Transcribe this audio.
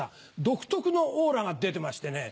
独特のオーラが出てましてね。